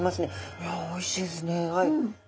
いやおいしいですねはい。